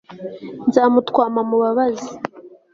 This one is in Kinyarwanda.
nzamutwama mubabaze